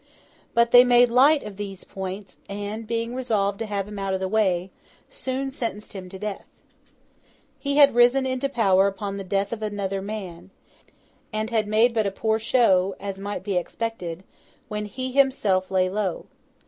But they made light of these points; and, being resolved to have him out of the way, soon sentenced him to death. He had risen into power upon the death of another man, and made but a poor show (as might be expected) when he himself lay low.